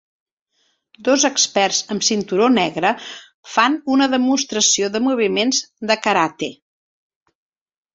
Dos experts amb cinturó negre fan una demostració de moviments de karate.